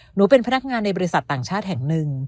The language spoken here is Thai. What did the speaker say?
หนูเป็นพนักงานในบริษัทต่างชาติแห่งหนึ่ง